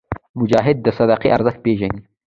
مجاهد د صدقې ارزښت پېژني.